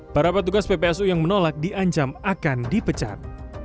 para petugas ppsu yang menolak diancam akan dipecat